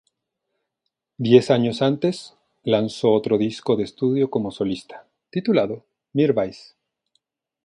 Diez años antes, lanzó otro disco de estudio como solista, titulado "Mirwais".